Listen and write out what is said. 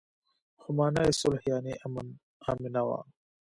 خو مانا يې صلح يانې امن آمنه وه.